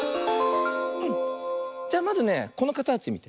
じゃあまずねこのかたちみて。